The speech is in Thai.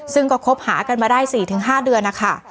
ซึ่งก็คบหากันมาได้๔๕เดือนนะคะ